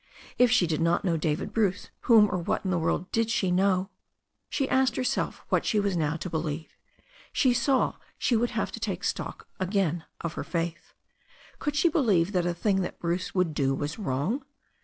If she did not know David Bruce whom or what in the world did she know? She asked herself what she was now to believe. She saw she would have to take stock again of her faith. Could she believe that a thing that Bruce would do was wrong?